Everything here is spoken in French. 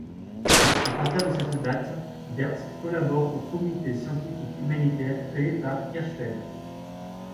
À partir de cette date, Bertz collabore au comité scientifique humanitaire créé par Hirschfeld.